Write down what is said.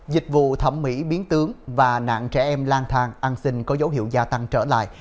dịch vụ thẩm mỹ biến tướng và nạn trẻ em lan thang an sinh có dấu hiệu gia tăng trở lại